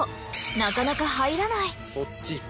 なかなか入らない。